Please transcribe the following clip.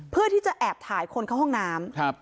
เพื่อที่จะแอบถ่ายคนเข้าห้องน้ำ